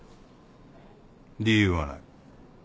理由はない。